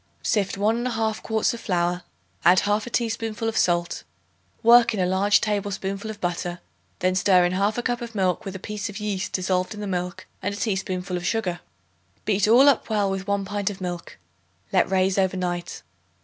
Sift 1 1/2 quarts of flour; add 1/2 teaspoonful of salt; work in a large tablespoonful of butter; then stir in 1/2 cup of milk with a piece of yeast dissolved in the milk and a teaspoonful of sugar. Beat all up well with 1 pint of milk; let raise over night.